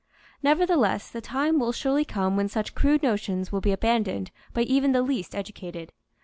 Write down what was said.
Nevertheless the time will surely come when such crude notions will be abandoned by even the least educated.